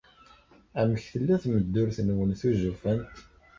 Amek tella tmeddurt-nwen tuzufant?